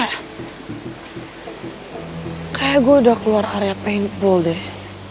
kayaknya gua udah keluar area paintball deh